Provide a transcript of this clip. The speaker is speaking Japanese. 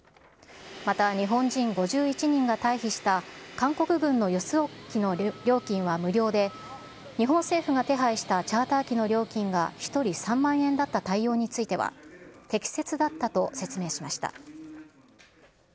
また日本人５１人が退避した韓国軍の輸送機の料金は無料で、日本政府が手配したチャーター機の料金が１人３万円だった対応については、適切だったと説明しました。